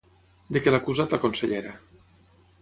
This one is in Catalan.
De què l'ha acusat la consellera?